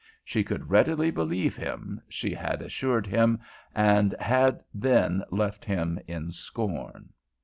She could readily believe him, she had assured him, and had then left him in scorn.